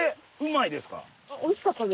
うまいですか？